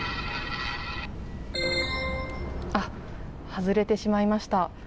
外れてしまいました。